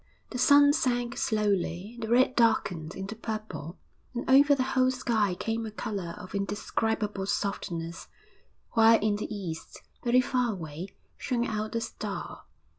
The sun sank slowly, the red darkened into purple, and over the whole sky came a colour of indescribable softness, while in the east, very far away, shone out the star.